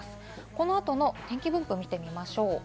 この後の天気分布を見ていきましょう。